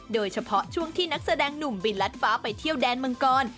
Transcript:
โดยเฉพาะช่วงที่นักแสดงหนุ่มบินรัดฟ้าไปเที่ยวแดนมังกร